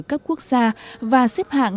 các quốc gia và xếp hạng